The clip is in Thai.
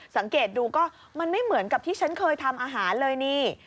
สังเกตดูก็มันไม่เหมือนกับที่ฉันเคยทำอาหารเลยนี่